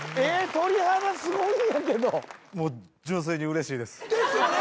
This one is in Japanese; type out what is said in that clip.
鳥肌すごいんやけどもう純粋に嬉しいですですよね！